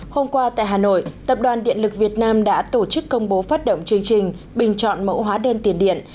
hôm qua tại hà nội tập đoàn điện lực việt nam đã tổ chức công bố phát động chương trình bình chọn mẫu hóa đơn tiền điện